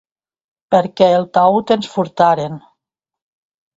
Perquè el taüt ens furtaren.